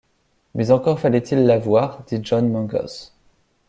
Mais encore fallait-il l’avoir, dit John Mangles.